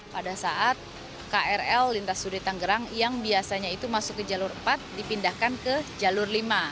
pada saat krl lintas sudi tanggerang yang biasanya itu masuk ke jalur empat dipindahkan ke jalur lima